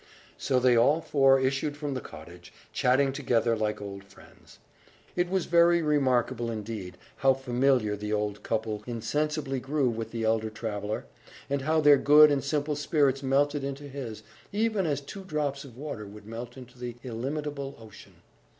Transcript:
So they all four issued from the cottage, chatting together like old friends. It was very remarkable, indeed, how familiar the old couple insensibly grew with the elder traveller, and how their good and simple spirits melted into his, even as two drops of water would melt into the illimitable ocean.